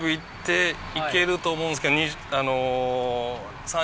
行けると思うんですけど。